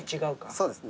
そうですね。